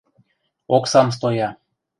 Оксам стоя.